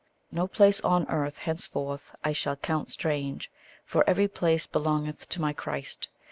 No place on earth henceforth I shall count strange, For every place belongeth to my Christ.